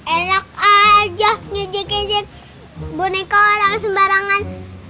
enak aja ngejek ngejek boneka orang sembarangan